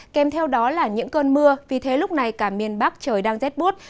kèm theo đó là những cơn mưa vì thế lúc này cả miền bắc trời đang rét bút